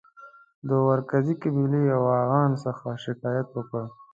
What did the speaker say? د ورکزي قبیلې اوغانیانو څخه شکایت وکړ.